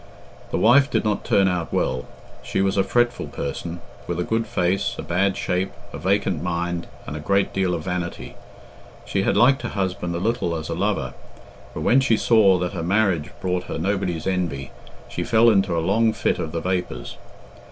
The wife did not turn out well. She was a fretful person, with a good face, a bad shape, a vacant mind, and a great deal of vanity. She had liked her husband a little as a lover, but when she saw that her marriage brought her nobody's envy, she fell into a long fit of the vapours.